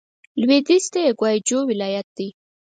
لوېدیځ ته یې ګوای جو ولايت دی.